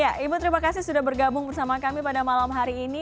ya ibu terima kasih sudah bergabung bersama kami pada malam hari ini